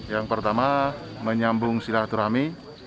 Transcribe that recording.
yang pertama menyambung silahaturami